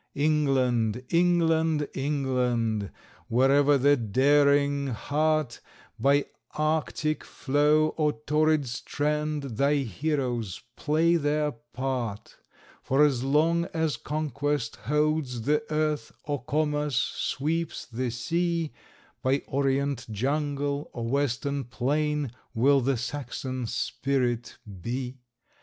England, England, England, Wherever the daring heart By Arctic floe or torrid strand Thy heroes play their part; For as long as conquest holds the earth, Or commerce sweeps the sea, By Orient jungle or Western plain, Will the Saxon spirit be.